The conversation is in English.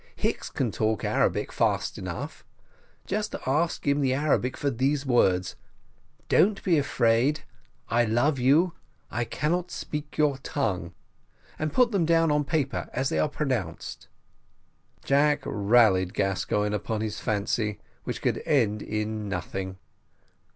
Hicks can talk Arabic fast enough; just ask him the Arabic for these words `Don't be afraid I love you I cannot speak your tongue,' and put them down on paper as they are pronounced." Jack rallied Gascoigne upon his fancy, which could end in nothing.